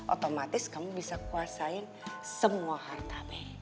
otomatis kamu bisa kuasain semua harta